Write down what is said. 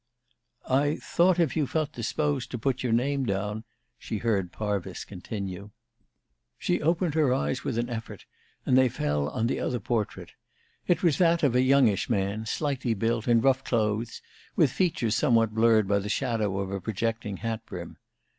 "I thought if you felt disposed to put your name down " she heard Parvis continue. She opened her eyes with an effort, and they fell on the other portrait. It was that of a youngish man, slightly built, in rough clothes, with features somewhat blurred by the shadow of a projecting hat brim.